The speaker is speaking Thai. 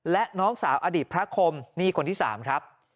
และน้องสาวอดีตพระคมนี่คนที่๓ครับ